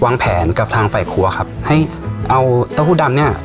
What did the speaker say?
วางแผนกับทางฝ่ายครัวครับให้เอาเต้าหู้ดำเนี้ย